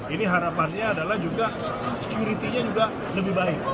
ini harapannya adalah juga security nya juga lebih baik